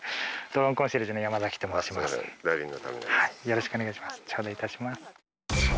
よろしくお願いします。